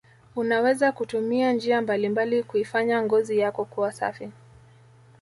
unaweza kutumia njia mbalimbali kuifanya ngozi yako kuwa safi